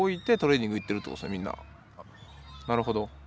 なるほど。